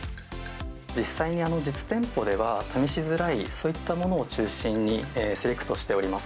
実際に実店舗では試しづらい、そういったものを中心に、セレクトしております。